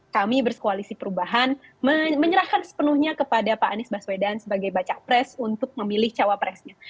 kami bersekoalisi perubahan menyerahkan sepenuhnya kepada pak anies baswedan sebagai bacawa press untuk memilih cawa pressnya